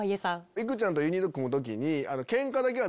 いくちゃんとユニット組む時に。